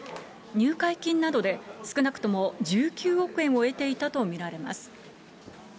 入会金などで、少なくとも１９億円を得ていたと見られます。